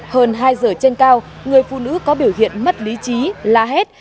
hơn hai giờ trên cao người phụ nữ có biểu hiện mất lý trí la hét